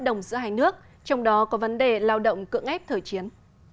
bất đồng giữa hai nước trong đó có vấn đề lao động cưỡng ép thời chiến